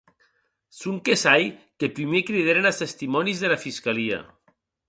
Sonque sai que prumèr cridèren as testimònis dera fiscalia.